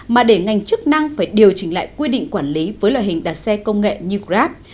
mà để ngành chức năng phải điều chỉnh lại quy định quản lý với loại hình đặt xe công nghệ như grab